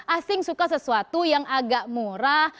asing suka sesuatu yang agak murah